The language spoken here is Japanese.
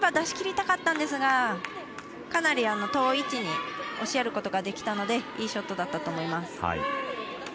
しきりたかったんですがかなり遠い位置に押しやることができたのでいいショットだったと思います。